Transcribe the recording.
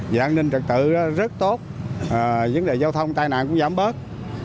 dạng an ninh trật tự rất tốt vấn đề giao thông tai nạn cũng giảm bớt